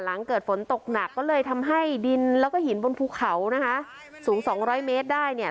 หลังเกิดฝนตกหนักก็เลยทำให้ดินแล้วก็หินบนภูเขานะคะสูงสองร้อยเมตรได้เนี่ย